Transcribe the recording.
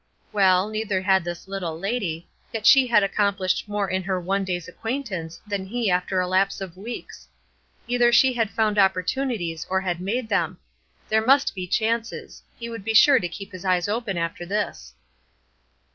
Well, neither had this little lady; yet she had accomplished more in her one day's acquaintance than he after a lapse of weeks. Either she had found opportunities, or had made them. There must be chances; he would be sure to keep his eyes open after this.